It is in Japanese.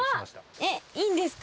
えっ、いいんですか？